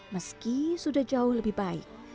meski sudah jauh lebih baik